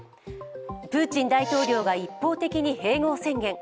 プーチン大統領が一方的に併合宣言。